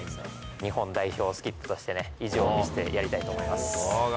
日本代表スキップとして、意地を見せてやりたいと思います。